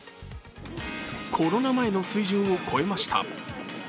コロナ前の水準を超えました。